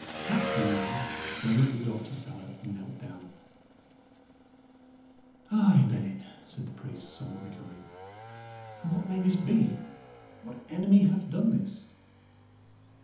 Hatch meanwhile reverently doffed his salet and knelt down. "Ay, Bennet," said the priest, somewhat recovering, "and what may this be? What enemy hath done this?"